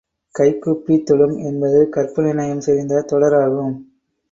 கைகூப்பித் தொழும் என்பது கற்பனை நயம் செறிந்த தொடராகும்.